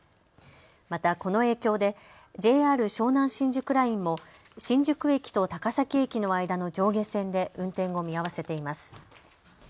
またこの影響でＪＲ湘南新宿ラインも新宿駅と高崎駅の間の上下線で運転を見合わせています。